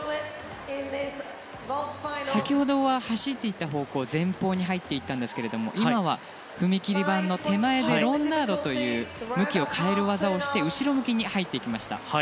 先ほどは走っていた方向前方に入っていきましたが今は踏み切り板の手前でロンダートという向きを変える技をして後ろ向きに入っていきました。